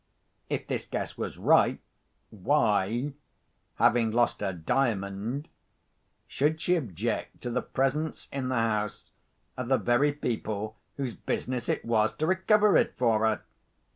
If this guess was right, why—having lost her Diamond—should she object to the presence in the house of the very people whose business it was to recover it for her?